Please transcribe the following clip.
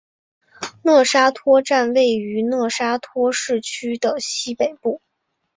讷沙托站位于讷沙托市区的西北部。